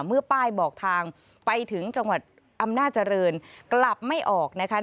เมื่อป้ายบอกทางไปถึงจังหวัดอำนาจริงกลับไม่ออกนะคะ